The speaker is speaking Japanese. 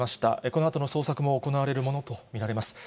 このあとの捜索も行われるものと見られます。